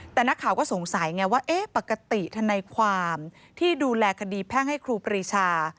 แต่นักข่าวก็สงสัยไงว่าเอ๊ะปกติทนายความที่ดูแลคดีแพ่งให้ครูปรีชา